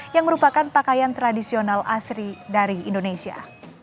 yang merupakan pakaian tradisional asri dari indonesia